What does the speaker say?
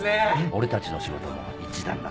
俺たちの仕事も一段落。